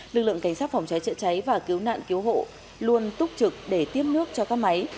lực lượng cảnh sát phòng cháy chữa cháy và cứu nạn cứu hộ luôn túc trực để tiếp nước cho các máy